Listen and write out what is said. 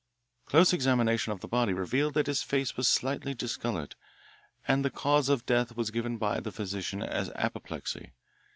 Close examination of the body revealed that his face was slightly discoloured, and the cause of death was given by the physician as apoplexy.